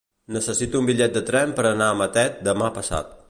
Necessito un bitllet de tren per anar a Matet demà passat.